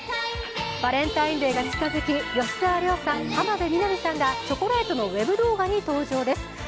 バレンタインデーが近づく、吉沢亮さん、浜辺美波さんがチョコレートのウェブ動画に登場です。